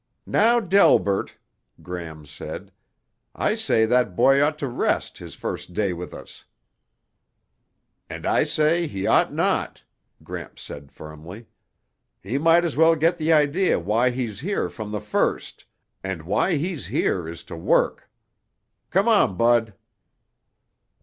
"Now, Delbert," Gram said, "I say that boy ought to rest his first day with us." "And I say he ought not," Gramps said firmly. "He might as well get the idea why he's here from the first, and why he's here is to work. Come on, Bud."